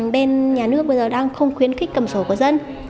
bên nhà nước bây giờ đang không khuyến khích cầm sổ của dân